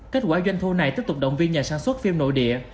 kết quả doanh thu này tiếp tục động viên nhà sản xuất phim nội địa